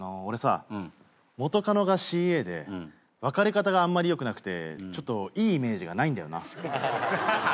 俺さ元カノがＣＡで別れ方があんまりよくなくてちょっといいイメージがないんだよな。